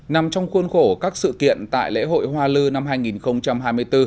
nằm trong khuôn khổ các sự kiện tại lễ hội hoa lư năm hai nghìn hai mươi bốn